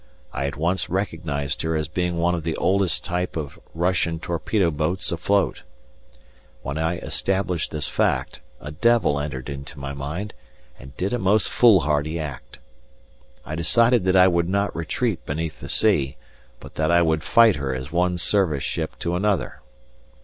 I at once recognized her as being one of the oldest type of Russian torpedo boats afloat. When I established this fact, a devil entered into my mind, and did a most foolhardy act. I decided that I would not retreat beneath the sea, but that I would fight her as one service ship to another.